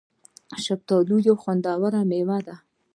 شفتالو یو خوندوره مېوه ده